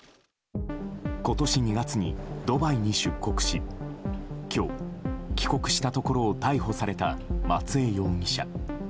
今年２月に、ドバイに出国し今日、帰国したところを逮捕された松江容疑者。